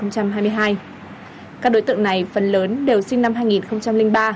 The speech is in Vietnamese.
các đối tượng này phần lớn đều sinh năm hai nghìn ba